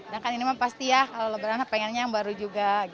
dan kan ini emang pasti ya kalau lebaran pengennya yang baru juga gitu